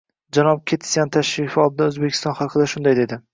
Janob Ketsyan tashrifi oldidan O'zbekiston haqida shunday dedi: